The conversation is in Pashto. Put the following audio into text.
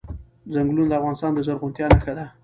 چنګلونه د افغانستان د زرغونتیا نښه ده.